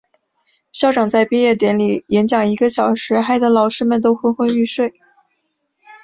校长在毕业典礼演讲一个小时，害得老师们都昏昏欲睡。